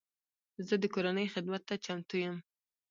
زه د کورنۍ خدمت ته چمتو یم.